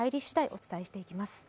お伝えしていきます。